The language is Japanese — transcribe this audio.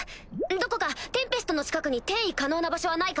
どこかテンペストの近くに転移可能な場所はないか？